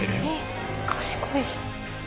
賢い。